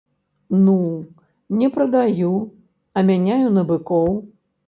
Ну, не прадаю, а мяняю на быкоў.